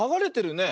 ねえ。